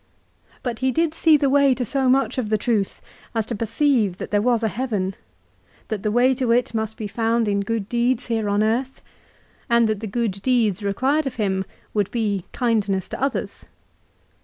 Rut he did see the way to so much of the truth, as to perceive that there was a heaven ; that the way to it must be found in good deeds here on earth ; and that the good deeds required of him would be kindness to others.